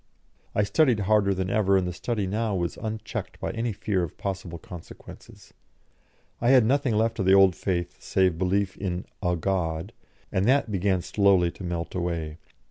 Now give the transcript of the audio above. I studied harder than ever, and the study now was unchecked by any fear of possible consequences. I had nothing left of the old faith save belief in "a God," and that began slowly to melt away.